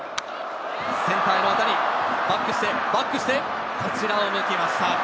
センターへの当たり、バックして、こちらを向きました。